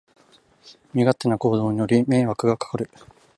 身勝手な行動により迷惑がかかる